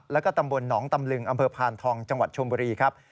แล้วก็ตำบลหนองตำลึงอำเภอพานทองจังหวัดชมบุรีครับ